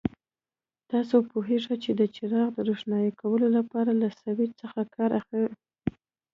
تاسو پوهېږئ چې د څراغ د روښانه کولو لپاره له سویچ څخه کار اخلي.